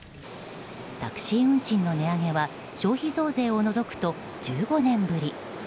タクシー運賃の値上げは消費増税を除くと１５年ぶり。